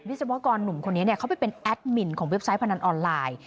ศวกรหนุ่มคนนี้เขาไปเป็นแอดมินของเว็บไซต์พนันออนไลน์